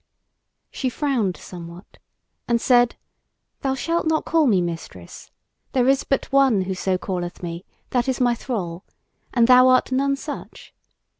She frowned somewhat, and said: "Thou shalt not call me Mistress; there is but one who so calleth me, that is my thrall; and thou art none such.